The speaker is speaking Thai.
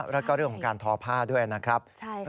แล้วก็เรื่องของการทอผ้าด้วยนะครับ